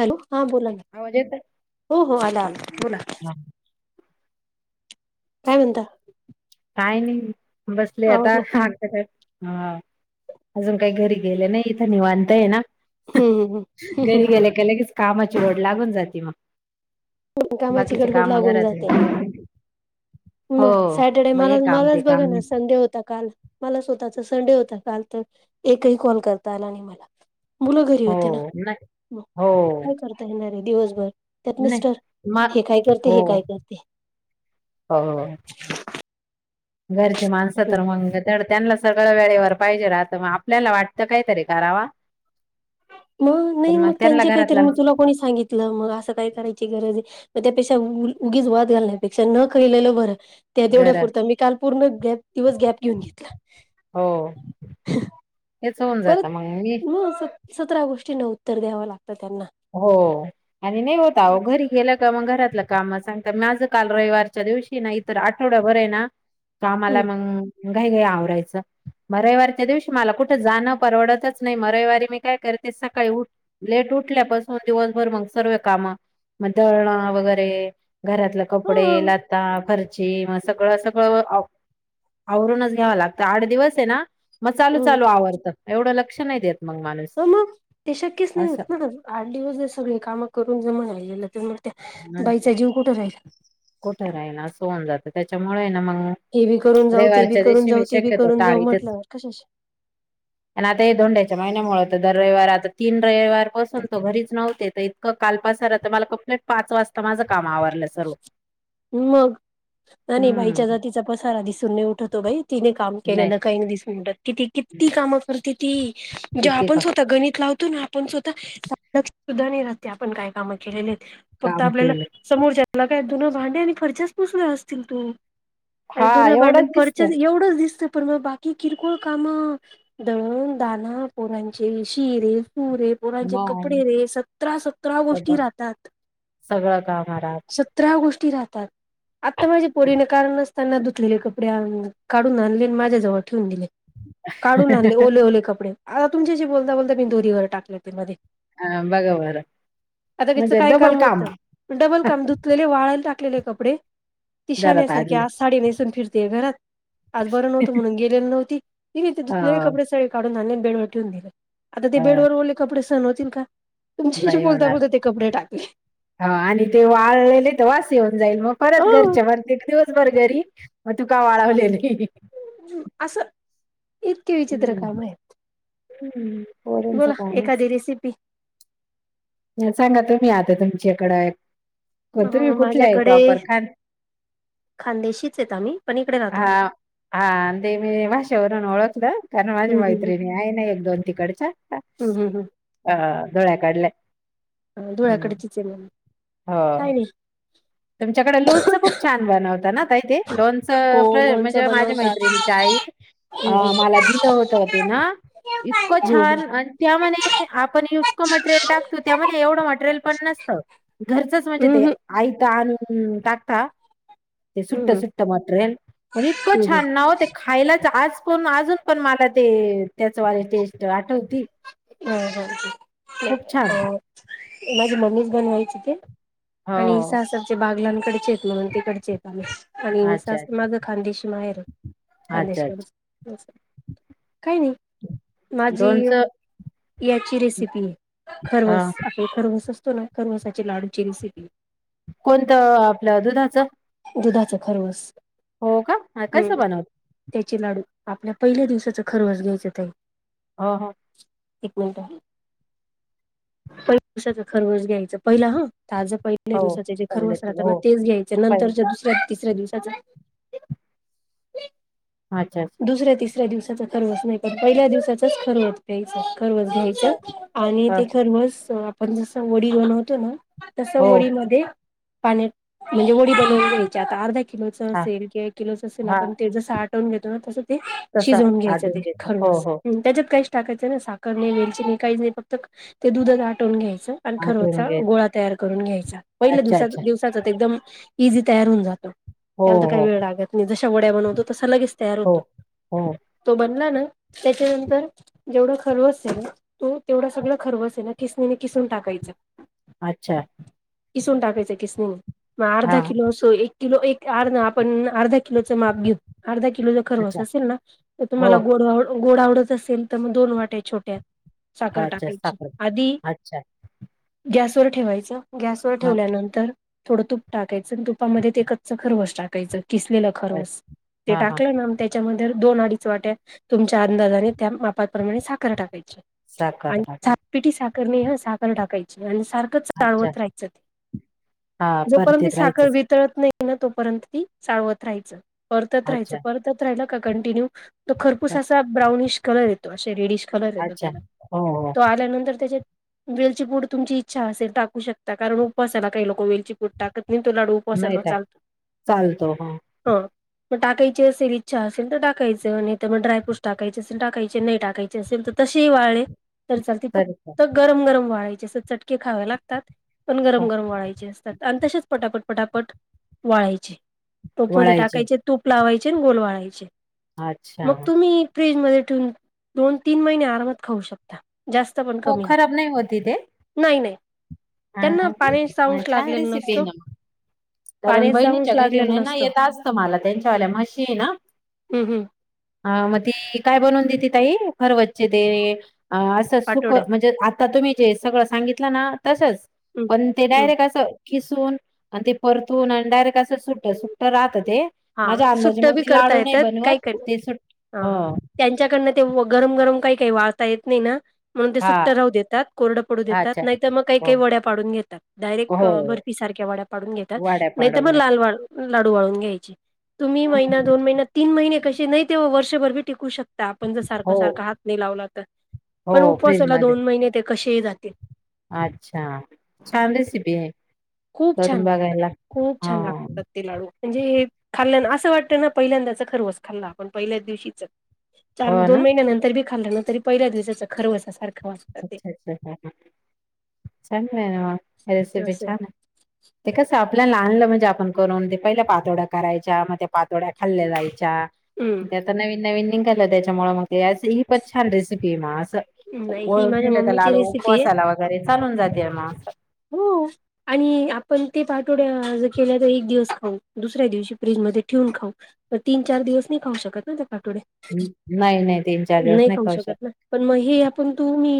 Hello हा बोलाना आवाज येतोय? हो हो आला आला बोला हा, काय म्हणताय काय नाही बसले आता काय हरकत आहे हा अजून काही घरी गेले नाही इथं निवात आहे ना हम्म घरी हम्म गेले का लगेच कामाची ओढ लागून जातेना कामाची गडबड लागून जाते हो मग सॅटर्डे मग हे मला काम ते मलाच बघा काम ना संडे होता काल मला स्वतःला संडे होता काल तर एकही कॉल करता आला नाही मला मुलं घरी हो होते ना नाही काय हो मग करता येणारे दिवसभर त्यात नाही मिस्टर मग हे काय करते हो हे काय करते ये घरची माणसं तर म्हणजे त्यांनाच सगळं वेळेवर पाहिजे वाटत मग आपल्याला वाटतं काहीतरी कराव मग नाही मग त्यांचे काहीतरी मी तुला कोणी सांगितलं मग असं काही करायची गरज आहे होती मग त्यापेक्षा उगीच वाद घाल नाहीपेक्षा न कळलेलं बरं त्या ते तेवढ्या घर पुरत मी काल पूर्ण गप दिवस गॅप घेऊन घेतला हो हेच होऊन परत जातात त मग मी मग स सतरा गोष्टीं उत्तर द्याव लागतं त्यांना हो आणि नाही होता आओ घरी गेला की मग घरातल कामं सांगता माझं काल रविवारच्या दिवशी ना इतर आठवडाभर आहे ना, कामाला हम्म मग घाई घाई आवरायचं. म रविवारीच्या दिवशी मला कुठे जाणं परवडतच नाही, मग रविवारी मी काय करते सकाळी उठ लेट उठ ठल्यापासून दिवसभर मग सर्व कामं मग दळणं वगैरे घरातले कपडे, ह लता फर ची म सगळं सगळं व आ आवरूनच घ्यावं लागतं आठ दिवस आहे ना मग चालू हम्म चालू आवरतं एवढं लक्ष नाही देत. मग माणूस हो मग, ते शक्यच नाही होत असं ना, आठ दिवस जर सगळी कामं करून‌ [unintelligible] तर मग त बाईचा जीव कुठे जाईल? कुठं राहीन असं होऊन जातं त्याच्यामुळे ना म हम्म, हे बी करून जाऊ ते बी रविवारच्या करून दिवशी जाऊ मी ते बी शक्यतो करून जाऊ टाळीतेच. म्हटल्यावर कशाशी आणि आता हे धोंड्याच्या महिन्यामुळे तर दर रविवार आता तीन रविवार पासून त घरीच नव्हते, ते क काल पसारा तर मला कंप्लीट पाच वाजता माझं काम आवरलं सर्व. मग. नाही-नाही बाईच्या हम्म. जातीचा पसारा दिसून नाही उठतो बाई. तिने काम नाही केलेल दिसून येत. किती-किती कामं करते ती. जे किती आपण का स्वतः गणित लावतो ना आपण स्वता. लक्षात सुद्धा रहात नाही आपण काय काम केलेली. फक्त काम आपल्याला केलं समोरच्याला काय धुण भांडी आणि फरशी पुसले असतील तू अरे हा धुण भांडी एवढंच आणि दिसत फरशीच एवढंच दिसत. पण मग बाकी किरकोळ काम. दळूण. दाने. पोरांचे शिरे. तू रे. पोरांचे मग कपडे रे. सतरा-सतरा गोष्टी राहतात. [inaudible] काय महाराज. ती राहतात. आत्ता माझ्या परीने कारण नसताना त्यांना धुतलेले कपडे आणून काढून आणले आणि माझ्याजवळ ठेवून दिले. काढून आणले ओले-ओले कपडे आता तुमच्याशी बोलता बोलता मी दोरी वर टाकले ते मध्ये. हा बघा बरं आता तिच म्हणजे काय डबल काम होतं. डबल काम धुतलेले वाळयला टाक - लेले कपडे ती घरात शहाण्यासारख आणले. आज साडी नेसून फिरते घरातं. आज बरं नव्हत म्हणून गेलेली नव्हती, तिने हो धुतलेले कपडे सगळी काढून आणून बेडवर ठेवून दिले. आता ते हो बेडवर ओले कपडे सहण होतील का. तुमच्याशी नाही बोलता होणार. बोलता ते कपडे टाकले. हा आणि ते वाळलेले तर वास येऊन. जाईल मग अ परत घरचे म एक दिवसभर घरी मग तू काम लावलेली. असं इतके विचित्र काम आहेत. हम्म. पोरांचं बोला कामच एखादी रेसिपी. सांगा तुम्ही आता तुमच्याकडं. अ तुम्ही कुठल्या आहे माझ्याकडे वापर खान. खानदेशीच आहेत आम्ही पण इकडे राहतो हा आम्ही. हा तेे मी भाषेवरून ओळखलं. कारण माझी हम्म हम्म हम्म. मैत्रिणी आहे ना एक दोन तिकडच्या. हम्म हम्म हम्म धुळ्याकडल्या. ह हम्म, धुळ्याकडचीच आहे मी, काय तुमच्याकडं लोणचं खूप छान बनवता ना? काय ते? लोणचं प हो लोणचं म्हणजे माझ्या बनवतात. मैत्रिणीची आई. हम्म अ हम्म. मला दिलं होतं ते ना. इतकं हम्म छान हम्म आणि त्यामध्ये आपण इतकं मटेरियल टाकतो त्यामध्ये एवढं मटेरियल पण नसत घरचंच म्हणजे हम्म ते आयतं आणून टाकता. ते सुट्ट हम्म. सुट्टं मटेरियल, पण इतकं हम्म हम्म. छान ना व ते खायलाचं आज पण अजून पण मला ते त्याचं वाली टेस्ट आठवती. ह ह [unintelligible] ते खूप छान माझी मम्मीच बनवायची ते. हो आणि सासरचे बागलांकडचे आहेत, म्हणून ते तिकडचे आहेत आम्ही. आणि अच्छा सासर माझं खानदेश माहेर आहे अच्छा अच्छा खानदेश अच्छा कडच काही नाही, माझी लोणचं याची रेसिपी आहे, अ खरवस आपलं खरवस असतो ना, खरवसाची लाडूची रेसिपी. कोणतं आपलं दुधाचं दुधाच खरवस, हो का? हां, हम्म कसं हम्म, बनवता? त्याचे लाडू. आपल्या पहिल्या दिवसाचं खरवस घ्यायचं तेही. हो, हो, एक मिनिटं. पहिला दिवसाचा खरवस घ्यायचं पहिला हां. ताजं पहिल्या हो. दिवसाचे जे पहिलं खरवस ते राहता हो, ना तेच घ्यायचे पहिलं नंतरच्या दुस तिसऱ्या दिवसाचा अच्छा अच्छा. ऱ्या दिवसाचं [unintelligible] नाही पण पहिल्या दिवसाचंच [unintelligible] घ्यायचं. खरवस घ्यायचं हो, आणि हं, ते खरवस आपण जसं वडी बनवतो ना. हो. तसं वडी मध्ये पाण्यात म्हणजे वडी बनवून घ्यायची आता अर्धा किलोचं हां, असेल कि एक किलोचं असेल हां. आपण ते जसं आटवून घेतो ना तसं‌ ते तसं शिजवून घ्यायचं आटवून ते घेतो. हो, खरवस, हो. म त्याच्यात काय टाकायचं ना साखर नाही वेलची नाही काहीच नाही फक्त ते दुधच आटवून घ्याय च आणि आटवून खरवसचा घेत. गोळा तयार करून घ्यायचा, पहिल्या अच्छा, दिवसा अच्छा. दिवसाचं ते एकदम इझी तयार होऊन जातो, हो, त्याला तर काही हो, वेळ लागत नाही जशा वड्या बनवतो तसं लगेच तयार हो होतो हो. तो बनला ना त्याच्यानंतर जेवढं खरवस आहे ना, तो तेवढं सगळं खरवस ना खिसनीने खिसून टाकायचं. अच्छा. खिसून टाकायचं किसनीने, मग अर्धा हां, किलो असू एक किलो एक अर् आपण अर्धा किलोचं माप घे अर्धा किलो जर खरवस अच्छा. असेल ना, तर हो. तुम्हाला गोड गोड आवडत असेल तर मग दोन वाट्या छोट्या साखर अच्छा, टाकायची, साखर. आधी अच्छा. गॅस वर ठेवायचं, गॅसवर हां, ठेवल्यानंतर थोडं तूप टाकायचं आणि तुपामध्ये ते कच्चं खरवस टाक कायचं किसलेलं अच्छा. खरवस, ते हां, हां. टाकलं ना म त्याच्यामध्ये दोन अडीच वाट्या तुमच्या अंदाजाने त्या मापाप्रमाणे साखर टाकायची. साखर आणि सा टाकून. पिठी साखर नाही हं, साखर टाकायची म्हण सारखं अच्छा. चावत राहायचं, हां, जोपर्यंत परतीत साखर राहायचंच. वितळत नाही तोपर्यंत ती चाळवत राहायचं, परतत राहायचं अच्छा. परतत राहिलं का कंटिन्यू तो खरपूस हं, असा ब्राउनिश कलर येतो असे रेडिश कलर येतो अच्छा. त्याला, हो, हो. तो आल्यानंतर त्याच्यात वेलची पूड तुमची इच्छा असेल टाकू शकता, कारण उपवासाला काही लोकं वेलची पूड टाकत म तो लाडू नाही उपवासाला टाक चालतो, चालतो. हां, हा मग टाकाय ची असेल इच्छा असे तर टाकायचं, नाही तर मग डायफ्रूट्स टाकायचे असेल टाकायचे, नाही टाकायचे असेल तर तसेही वाळले तर चालतील, तरी फक्त चालेल. गरम गरम वळायची असं चटके खावे लागतात. पण गरम हं, गरम वळायचे असतात आणि तसेच पटापट पटापट वळायचे. तूप मध्ये वळायचे. टाकायचे तूप लावायचे आणि गोल वळायचे. अच्छा. फ्रीजमध्ये ठेवून दोन तीन महिने आरामात खाऊ शकता. जास्त पण हो, कमी नाही, खराब होती ते? नाही नाही. त्यांना हां का? पाणी सा हा, अंश छान लागलेला रेसिपी आहे नसतो. ना मग. कारण पाण्याचा बहिणीच्या अंश घरी येऊन लागलेला हाय ना नसतो येत असतं मला त्यांच्या वाल्या मशी की ना, हम्म हम्म हा मग ते काय बनवून देत काय खरवसचे ते असं सुखं पाठोड्या म्हणजे आता तुम्ही जे सगळं सांगितलं ना तसंच हम्म पण ते हम्म डायरेक्ट असं खिसून आणि ते परतून आणि डायरेक्ट असं सुट सुट्ट राहतं. ते हा माझ्या अंदाजे सुट्ट मग बी ते करता लाडू नाही येत्यात, बनवत काही का ते सुट हा हो हा त्यांच्याकडनं ते गरम गरम काही काही वाळता येत नाही ना म्हणून ते हा सुट्टं राहू देतात, कोरडं पडू देतात, अच्छा नाही तर मग काही हो काही वड्या पाडून घेतात डायरेक्ट हो बर्फी सा ्याड्या पाडून घेतात वाड्या नाही मग पाडवल्या लाल लाडू वाळून घ्यायचे तुम्ही महिना हम्म. दोन महिना तीन महिने कसे नाही ते वर्षभर बी टिकू शकता आपण जर हो सारखं सारखा हात नाही लावला तर पण हो फ्रीज उपवासाला मध्ये दोन महिने ते कसेही जातील अच्छा ांदेसबी आहे खूप छान करून लागतात बघायला खूप हा छान लागतात ते लाडू म्हणजे खाल्ल्या असं वाटतं ना पहिल्यांदाच खर होस खाल्ला आपण पहिल्याच दिवशीच हो चार दोन ना महिन्या नंतर बी खाल्लं ना तरी पहिल्या दिवसाचा खरंवा सारखं अच्छा अच्छा अ्छ चग ना रेसिपी असं छान ना ते कसा आपला लहानलं म्हणजे आपण करून ते पहिल्या पातोड्या करायच्या मग ते पातोड्या खाल्ल्या जायच्या हम्म ते आता नवीन नवीन निघालं त्याच्यामुळे मग ते ही पण छान रेसिपी म ह्ई ठेवलं तर लाडू कसायला वगैरे चालून जाते मग हो आणि आपण ते पाठोड्या केल्या तर एक दिवस खाऊ दुसऱ्या दिवशी प्रें ख त च दिव ख ठ नाही नाही तीन चार दिवस नाही खाऊ शकत ना पण मग हे आपण तू मी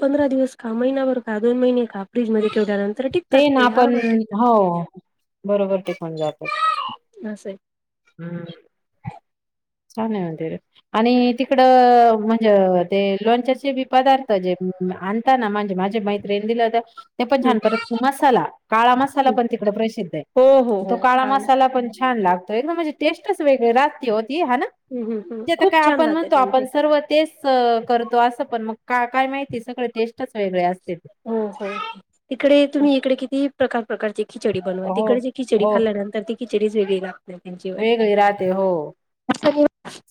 पंधरा दिवस का महिनाभर का दोन महिने का फ्रीज मध्ये तेवट्यानंतर टिकतात ना ते आपण आरम टिकतात हो बरोबर टिकून जातात अस स आहे हम्म चाले म्हणर आणि तिकड म्हणजे ते लोणचाचे बी पदार्थ जे आणताना म्हणजे माझे मैत्रिण दिलं होता ते पण छान परत मसाला काळा मसाला पण तिकड प्रसिद्ध आहे हो हो तो हो काळा मसाला पण छान लागतो एकदम म्हणजे टेस्टच वेगळे रात हे खूप काय छान आपण राहते म्हणतो त्यांचे आपण सर्व तेच [inaudible] करतो असं पण मग काय काय माहिती सगळं ते हो हो [inaudible] तिकडे तुम्ही इकडे किती प्रकार प्रकारची खिचडी बनवा हो तिकडे जे खिचडी हो खाल्ल्यानंतर ती खिचडीच वेगळी लागते वेगळी राहते हो.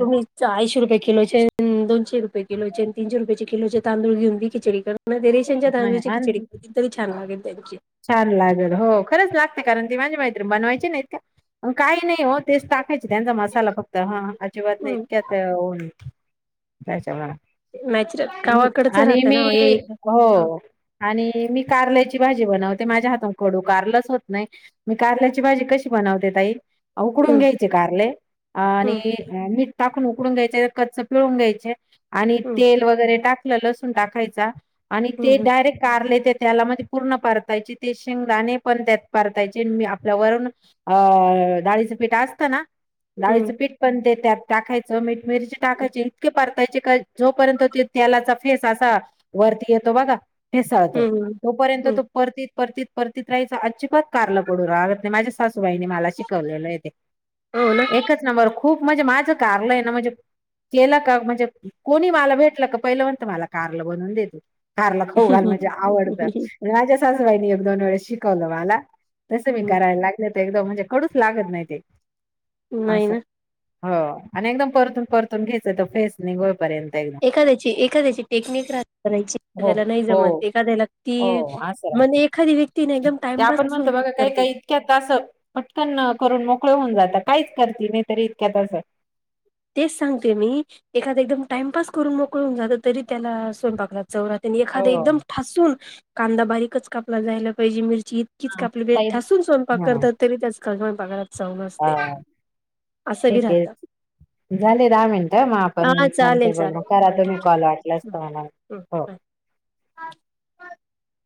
तुम्ही [inaudible] चाळीस रुपये किलो दोनशे रुपे किलो आणि तीनशे रुयाेचे किलोचे तांदूळ घेऊनी खिचडी करून म- देररीशनच्या नाही तांदळाची आणि खिचिडी करतील तरी छान लागेल त्यांची छान लागेल हो खरंच लागते कारण ती माझी मैत्रीण बनवायची नाही काही नाही हो तेच टाकायचे त्यांचा मसाला फक्त हा अजिबात नाही हम्म इतक्यात हो अ- [unintelligible] च नॅचरल गावाकडच आणि राहतं मी ना हे एक हो आणि मी कारल्याची भाजी बनवते ते माझ्या हातून खडू कारलच होत नाही मी कारल्याची भाजी कशी बनवते ताई उकडून हम्म घ्यायचे कारले हम्म आणि टाकून उकडून घ्यायचे कच्च पिळून घ्यायचे आणि हम्म तेल वगैरे टाक लसुन टाकायचा आणि ते हम्म डायरेक् कारले त्याला पूर्ण खायचे ते शेंगदाणे पण त्यात पारतायचे मी आपल्या वरुन [inaudible] असतं डाळीचं पिठ असत ना हम्म डाळीचं पीठ पण ते त्यात टाकायचं मीठ मिरची टाकायची इतके पार जोपर्यंत त्यालाचा फेस असा वरती येतो बघा फेसाळत हम्म हम्म तोपर्यंत हम्म तो परतीत परतीत परतीत राहायचा अजिबात कारला पडू राहगत नाही माझ्या सासबाईनी मला शिकवलाय हो ना एकच नंबर खूप म्हणजे माझं कारल आहे ना म्हणजे केलं का म्हणजे कोणी मला भेटलं का पहिल्या म्हणतं मला कारला बनवून देत जा कारल खाऊ घाल म्हणजे आवडतं माझ्या सासूबाईनी एक दोन वेळी शिकवलं मला तसं मी हम्म करायला लागलं ते एकदम म्हणजे कडूच लागत नाही ते नाही असं ना हो, आणि एकदम परतून -परतून घ्यायचं तर फेस निघोपर्यंत एकदम. एखाद्याची एखाद्याची टेक्निक राहते करायची, हो एखाद्याला नाही हो जमत एखाद्याला हो ती असं म्हणजे एखादी व्यक्ती ना एकदम ते टाइमपास आपण म्हणतो स्वयंपाक बघा काही करते काही इतक्यात असं, पटकन अ करून मोकळं होऊन जाता, काहीच करती नाही तरी इतक्यात असं. तेच सांगते मी एखाद्या एकदम टाइमपास करून मोकळं होऊन जातं, तरी त्याला स्वयंपाक लाग चव राहती, अन एखादं हो. एकदम ठासून कांदा बारीकच कापला जायला पाहिजे मिर ची इतकीच हा कापली पाहिजे, ताई ठासून स्वयंपाक हा करतात तरी त्या स्वयंपाकघरात हा समजते, असं बी ठीक आहे. राहतं. झाले दहा मिनटं मग आपण हा चालेल नंतर बोलू, चालेल करा हा ठीक तुम्ही कॉल वाटल्यास आहे. हं, तुम्हाला. हो. [unintelligible] [inaudible]